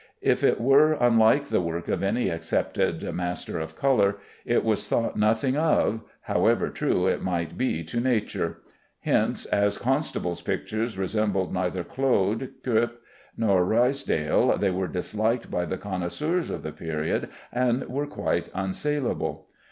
If it were unlike the work of any accepted master of color, it was thought nothing of, however true it might be to nature. Hence as Constable's pictures resembled neither Claude, Cuyp, nor Ruysdael, they were disliked by the connoisseurs of the period, and were quite unsalable.